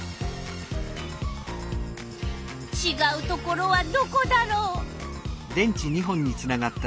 ちがうところはどこだろう？